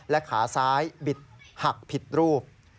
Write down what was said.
ขาซ้ายบิดหักผิดรูป